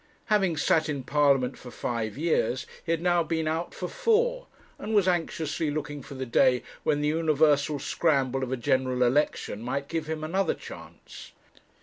Having sat in Parliament for five years, he had now been out for four, and was anxiously looking for the day when the universal scramble of a general election might give him another chance.